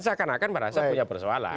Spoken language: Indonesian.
seakan akan merasa punya persoalan